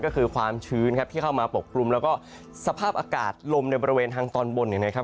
ก็คือความชื้นครับที่เข้ามาปกคลุมแล้วก็สภาพอากาศลมในบริเวณทางตอนบนเนี่ยนะครับ